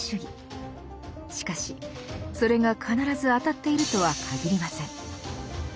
しかしそれが必ず当たっているとはかぎりません。